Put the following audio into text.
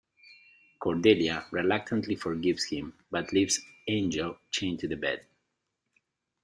Cordelia reluctantly forgives him, but leaves Angel chained to the bed.